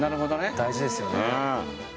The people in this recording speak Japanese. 大事ですよね。